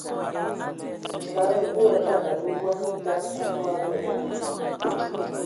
Ngal Mvu a ngaakad lig bɔn etam, abog a akǝ a adzǝn bidí.